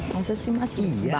masa sih mas